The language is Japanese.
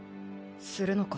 するのか。